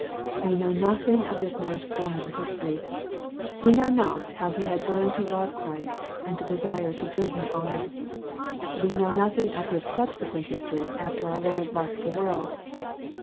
We know nothing of this man's former history. We know not how he had learned to love Christ, and to desire to do Him honor. We know nothing of his subsequent history after our Lord left the world.